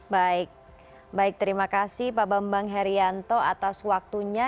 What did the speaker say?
baik baik terima kasih pak bambang herianto atas waktunya